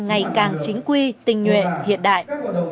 ngày càng chính quy tình nguyện hiện đại